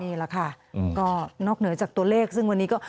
นี่แหละค่ะก็นอกเหนือจากตัวเลขซึ่งวันนี้ก็